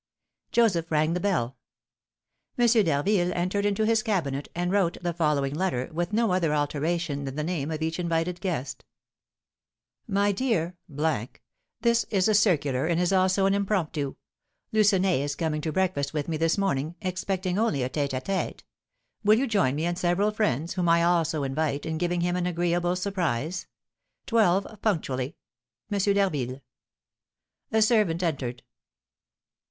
Joseph rang the bell. M. d'Harville entered into his cabinet, and wrote the following letter, with no other alteration than the name of each invited guest. "MY DEAR : This is a circular, and is also an impromptu. Lucenay is coming to breakfast with me this morning, expecting only a tête à tête. Will you join me and several friends, whom I also invite, in giving him an agreeable surprise? "Twelve punctually. "M. D'HARVILLE." A servant entered.